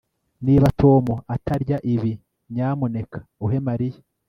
Niba Tom atarya ibi nyamuneka uhe Mariya